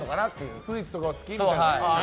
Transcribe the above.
スイーツとか好きみたいな。